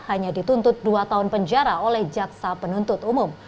hanya dituntut dua tahun penjara oleh jaksa penuntut umum